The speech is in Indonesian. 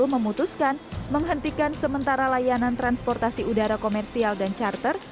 memutuskan menghentikan sementara layanan transportasi udara komersial dan charter